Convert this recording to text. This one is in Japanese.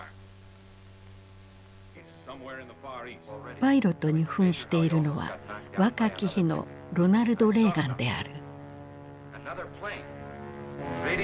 パイロットに扮しているのは若き日のロナルド・レーガンである。